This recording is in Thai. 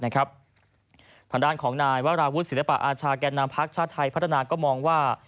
ทางด้านของนายวราวุฒิศิลปะอาชาแก่นำพักชาติไทยพัฒนาก็มองว่า